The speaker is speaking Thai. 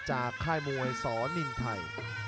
จากค่ายมวยสนินไทย